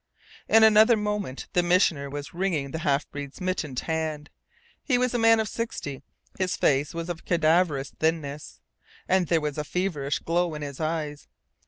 In another moment the Missioner was wringing the half breed's mittened hand. He was a man of sixty. His face was of cadaverous thinness, and there was a feverish glow in his eyes.